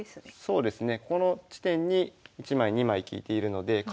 そうですね。